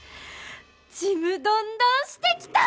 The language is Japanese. ちむどんどんしてきた！